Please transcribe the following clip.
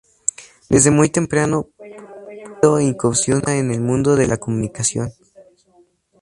Desde muy temprano, Pulido incursiona en el mundo de la comunicación.